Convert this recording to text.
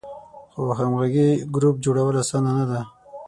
خو همغږی ګروپ جوړول آسانه نه ده.